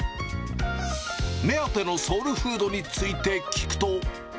目当てのソウルフードについて聞くと。